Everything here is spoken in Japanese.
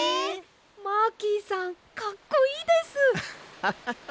マーキーさんかっこいいです！ハハハ！